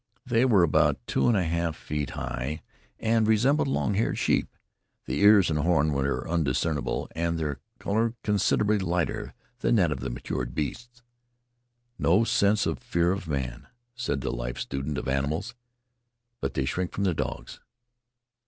They were about two and a half feet high, and resembled long haired sheep. The ears and horns were undiscernible, and their color considerably lighter than that of the matured beasts. "No sense of fear of man," said the life student of animals. "But they shrink from the dogs."